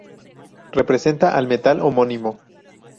Representa al metal homónimo.